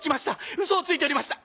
うそをついておりました。